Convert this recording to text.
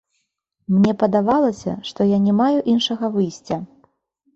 Мне падавалася, што я не маю іншага выйсця.